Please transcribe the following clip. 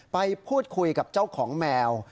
ไปพูดคุยกับเจ้าของแมว